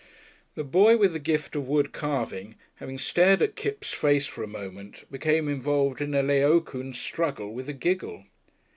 The boy with the gift of wood carving having stared at Kipps' face for a moment, became involved in a Laocoon struggle with a giggle.